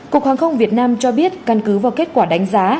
cục hàng không việt nam cho biết căn cứ vào kết quả đánh giá